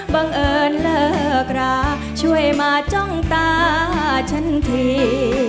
บังเอิญเลิกราช่วยมาจ้องตาฉันที